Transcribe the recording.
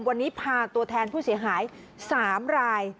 วันนี้พาตัวแทนผู้เสียหาย๓ราย